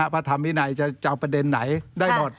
พระธรรมวินัยจะเอาประเด็นไหนได้หมด